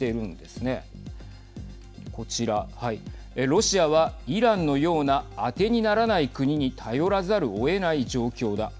ロシアは、イランのようなあてにならない国に頼らざるをえない状況だ。